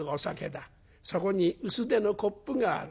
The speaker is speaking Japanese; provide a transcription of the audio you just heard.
そこに薄手のコップがある。